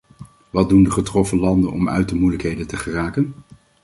Wat doen de getroffen landen om uit de moeilijkheden te geraken?